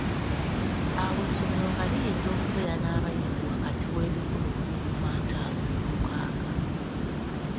Awo essomero nga liyinza okubeera n’abayizi wakati w'ebikumi bibiri mu ataano n'olukaaga.